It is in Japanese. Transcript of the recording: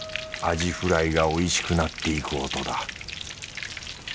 アジフライがおいしくなっていく音だ。